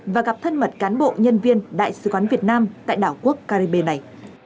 và gặp thân mật cán bộ nhân viên đại sứ quán việt nam tại đảo quốc caribe này